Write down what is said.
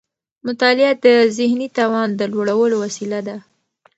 مطالعه د ذهني توان د لوړولو وسيله ده.